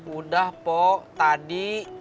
udah po tadi